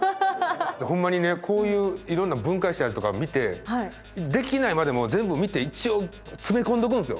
ほんまにねこういういろんな分解したやつとかを見てできないまでも全部見て一応詰め込んでおくんですよ。